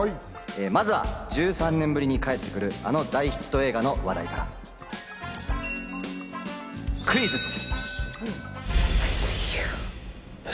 まずは１３年ぶりに帰ってくるあの大ヒット映画の話題からクイズッス！